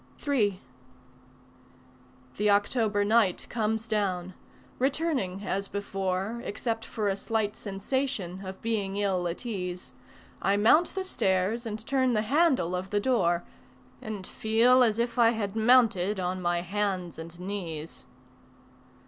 III The October night comes down; returning as before Except for a slight sensation of being ill at ease I mount the stairs and turn the handle of the door And feel as if I had mounted on my hands and knees.